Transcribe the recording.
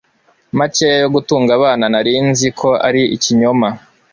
makeya yo gutunga abana nari nzi ko ari ikinyoma